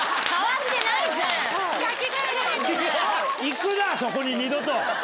行くなそこに二度と！